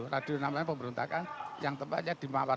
radio namanya pemberontakan yang tempatnya di mawar